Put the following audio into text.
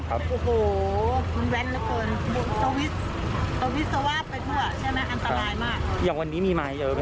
สุดยอดดีแล้วล่ะ